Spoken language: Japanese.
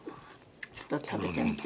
ちょっと食べてみて」